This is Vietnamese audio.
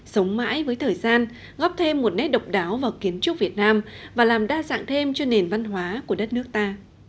sống mãi với thời gian góp thêm một nét độc đáo vào kiến trúc việt nam và làm đa dạng thêm cho nền văn hóa của đất nước ta